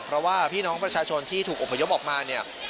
เพราะว่าพี่น้องประชาชนที่ถูกอบพยพออกมาเนี่ย